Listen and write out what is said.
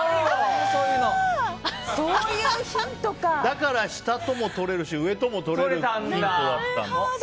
だから下ともとれるし上ともとれるヒントだったんだ。